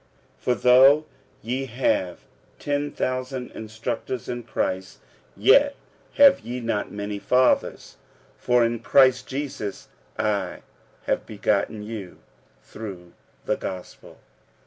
46:004:015 For though ye have ten thousand instructers in Christ, yet have ye not many fathers: for in Christ Jesus I have begotten you through the gospel.